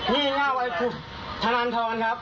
นี่เง่าไอ้คุณธนันทรครับ